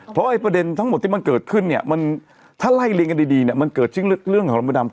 เพราะประเด็นทั้งหมดที่มันเกิดขึ้นถ้าไล่เรียนกันดีมันเกิดเรื่องของลำบดำ